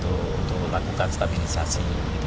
untuk melakukan stabilisasi